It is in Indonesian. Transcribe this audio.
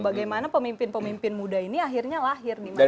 bagaimana pemimpin pemimpin muda ini akhirnya lahir di mana